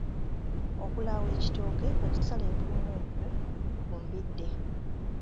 Okulaawa ekitooke kwe kusala empummumpu ku mbidde.